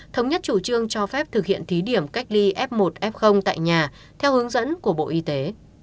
thống nhất chủ trương cho phép thực hiện thí điểm cách ly f một f tại nhà theo hướng dẫn của bộ y tế